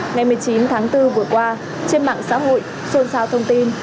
ngày một mươi chín tháng bốn vừa qua trên mạng xã hội xôn xao thông tin